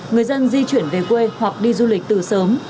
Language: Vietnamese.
người dân di chuyển về quê hoặc đi du lịch từ sớm